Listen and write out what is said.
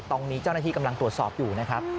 ตรงนี้เจ้าหน้าที่กำลังตรวจสอบอยู่นะครับ